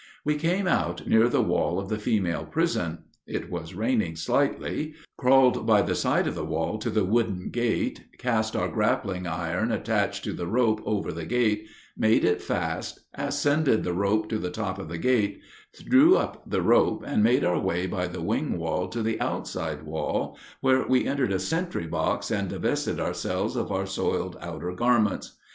We came out near the wall of the female prison, it was raining slightly, crawled by the side of the wall to the wooden gate, cast our grappling iron attached to the rope over the gate, made it fast, ascended the rope to the top of the gate, drew up the rope, and made our way by the wing wall to the outside wall, where we entered a sentry box and divested ourselves of our soiled outer garments.